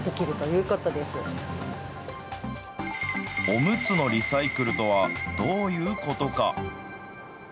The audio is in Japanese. おむつのリサイクルとは、どういうことか。